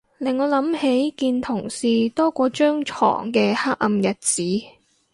令我諗起見同事多過張牀嘅黑暗日子